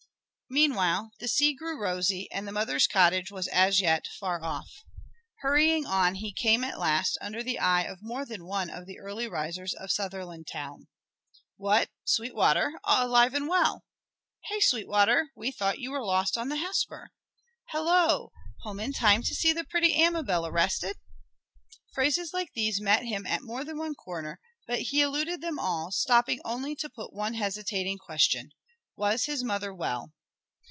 Meanwhile, the sea grew rosy, and the mother's cottage was as yet far off. Hurrying on, he came at last under the eye of more than one of the early risers of Sutherlandtown. "What, Sweetwater! Alive and well!" "Hey, Sweetwater, we thought you were lost on the Hesper!" "Halloo! Home in time to see the pretty Amabel arrested?" Phrases like these met him at more than one corner; but he eluded them all, stopping only to put one hesitating question. Was his mother well?